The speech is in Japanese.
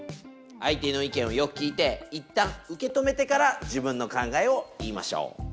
相手の意見をよく聞いていったん受け止めてから自分の考えを言いましょう。